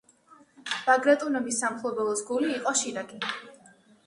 ბაგრატუნების სამფლობელოს გული იყო შირაკი.